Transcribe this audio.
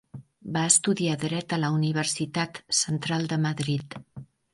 Va estudiar dret a la Universitat Central de Madrid.